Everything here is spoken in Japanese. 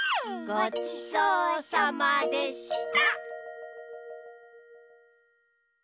ごちそうさまでした！